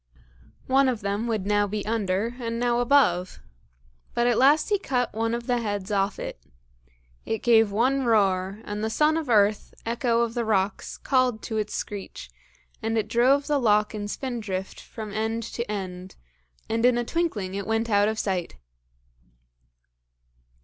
One of them would now be under, and now above. But at last he cut one of the heads off it. It gave one roar, and the son of earth, echo of the rocks, called to its screech, and it drove the loch in spindrift from end to end, and in a twinkling it went out of sight.